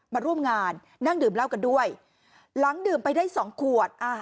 มาร่วมงานนั่งดื่มเหล้ากันด้วยหลังดื่มไปได้สองขวด